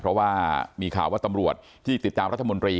เพราะว่ามีข่าวว่าตำรวจที่ติดตามรัฐมนตรี